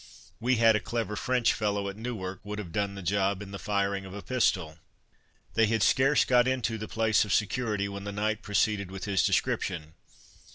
We had a clever French fellow at Newark would have done the job in the firing of a pistol." They had scarce got into the place of security when the knight proceeded with his description.